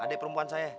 ada perempuan saya